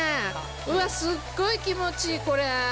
うわっ、すごい気持ちいい、これ。